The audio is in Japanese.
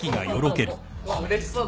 うれしそうだ。